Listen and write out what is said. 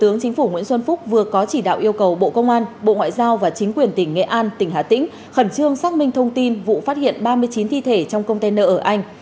thủ tướng chính phủ nguyễn xuân phúc vừa có chỉ đạo yêu cầu bộ công an bộ ngoại giao và chính quyền tỉnh nghệ an tỉnh hà tĩnh khẩn trương xác minh thông tin vụ phát hiện ba mươi chín thi thể trong container ở anh